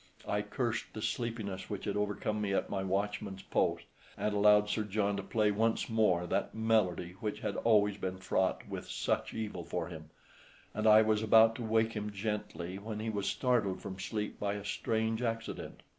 I cursed the sleepiness which had overcome me at my watchman's post, and allowed Sir John to play once more that melody which had always been fraught with such evil for him; and I was about to wake him gently when he was startled from sleep by a strange accident.